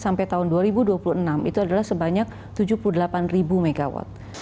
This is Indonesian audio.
sampai tahun dua ribu dua puluh enam itu adalah sebanyak tujuh puluh delapan ribu megawatt